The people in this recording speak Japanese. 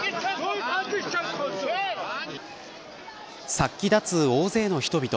殺気立つ大勢の人々。